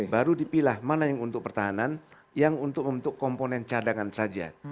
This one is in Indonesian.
baru dipilah mana yang untuk pertahanan yang untuk membentuk komponen cadangan saja